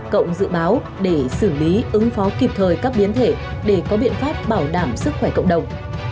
cộng dự báo để xử lý ứng phó kịp thời các biến thể để có biện pháp bảo đảm sức khỏe cộng đồng